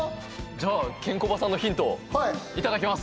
じゃあケンコバさんのヒントいただきます